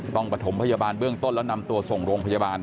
ประถมพยาบาลเบื้องต้นแล้วนำตัวส่งโรงพยาบาล